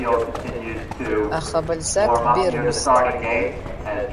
Аха Бальзак дберымзт.